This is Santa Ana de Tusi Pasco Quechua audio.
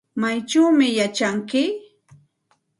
¿Maychawmi yachanki?